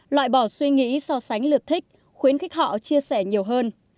loại bỏ suy nghĩ so sánh lượt thích khuyến khích họ chia sẻ nhiều hơn